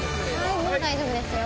もう大丈夫ですよ。